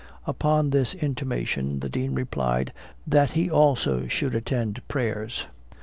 Upon this intimation, the Dean replied, that he also should attend prayers.